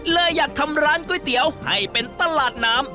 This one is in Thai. เลยอยากทำร้านก๋วยเตี๋ยวให้เป็นตลาดน้ำ